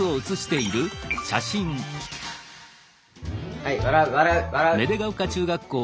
はい笑う笑う笑ううん。